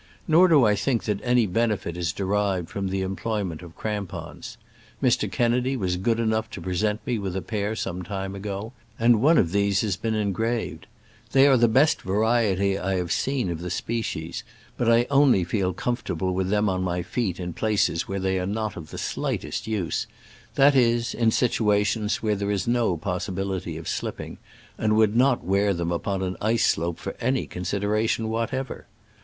Nor do 1 think that any benefit is derived from the employment of crampons. Mr. Kennedy was good enough to present me with a pair some time ago, and one of these has been engraved. jnfflmb. 9TEPHBN ICB AXB They are the best variety I have seen of the species, but I only feel comfortable with them on my feet in places where they are not of the slightest use — that is, in situations where there is no possibility of slipping — and would not wear them upon an ice slope for any consideration whatever.